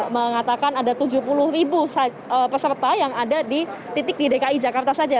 mengatakan ada tujuh puluh ribu peserta yang ada di titik di dki jakarta saja